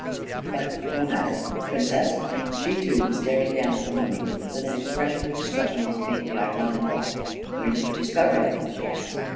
" But no mat ter. Princess ..." She too was staring down at the mummy with an expression which struck me as faintly ironical. "Where did you discover it?" she asked.